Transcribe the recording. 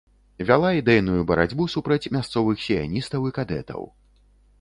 Вяла ідэйную барацьбу супраць мясцовых сіяністаў і кадэтаў.